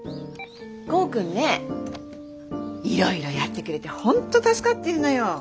剛くんねいろいろやってくれて本当助かってるのよ。